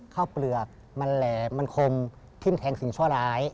เปลือกมันแหล่มันคมทิ้มแทงสิ่งชั่วร้าย